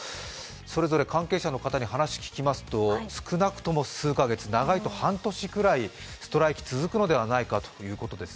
それぞれ関係者の方に話を聞きますと少なくとも数か月、長いと半年くらい、ストライキ、続くのではないかということです。